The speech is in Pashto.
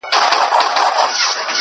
ژر سه ته زما له گرانښته قدم اخله~